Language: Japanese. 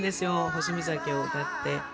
『星見酒』を歌って。